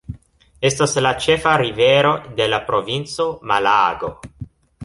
Estas la ĉefa rivero de la provinco Malago.